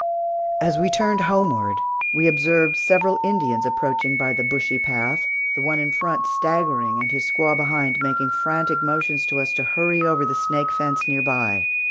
As we turned homeward, we observed several Indians approaching by the bushy path, the one in front staggering, and his squaw behind, making frantic motions to us to hurry over the snake fence near by.